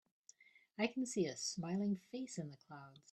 I can see a smiling face in the clouds.